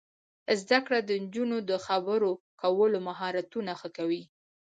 زده کړه د نجونو د خبرو کولو مهارتونه ښه کوي.